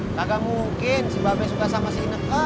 nggak mungkin si babe suka sama si ineke